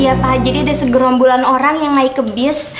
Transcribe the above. iya pak jadi ada segerombolan orang yang naik ke bis